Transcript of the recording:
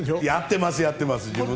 やってます、やってます。